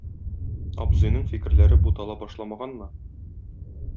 Абзыйның фикерләре бутала башламаганмы?